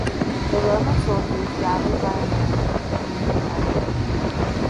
The Roman soldiers, gathered by Aemilian, acclaimed him Emperor.